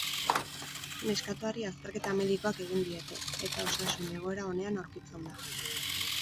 Neskatoari azterketa medikoak egin diete eta osasun egoera onean aurkitzen da.